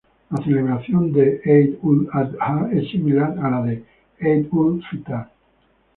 La celebración de Eid ul-Adha es similar a la de Eid ul-Fitar.